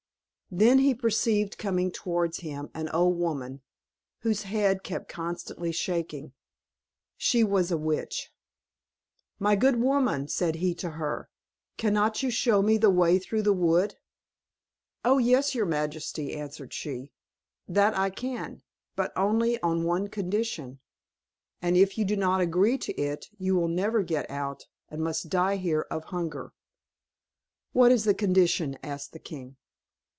Then he perceived coming towards him an old woman, whose head kept constantly shaking. She was a witch. "My good woman," said he to her, "cannot you show me the way through the wood?" "O yes, your majesty," answered she, "that I can, but only on one condition, and if you do not agree to it, you will never get out, and must die here of hunger." "What is the condition?" asked the king.